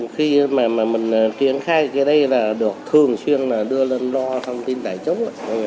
khi mà mình triển khai cái đây là được thường xuyên đưa lên lo thông tin tài chống